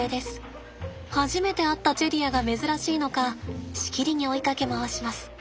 初めて会ったチェリアが珍しいのかしきりに追いかけ回します。